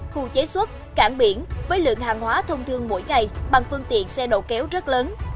khu chế xuất cảng biển với lượng hàng hóa thông thương mỗi ngày bằng phương tiện xe đầu kéo rất lớn